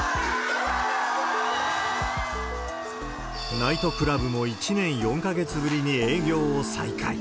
ナイトクラブも１年４か月ぶりに営業を再開。